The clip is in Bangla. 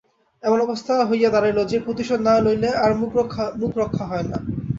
এমন অবস্থা হইয়া দাঁড়াইল যে, প্রতিশােধ না লইলে আর মুখ রক্ষা হয় না।